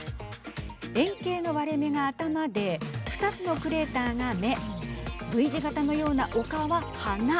円形の割れ目が頭で２つのクレーターが目Ｖ字型のような丘は鼻。